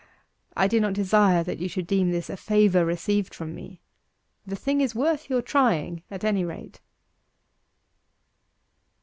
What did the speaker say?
I do not desire that you should deem this a favour received from me. The thing is worth your trying, at any rate.